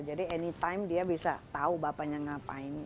jadi anytime dia bisa tau bapaknya ngapain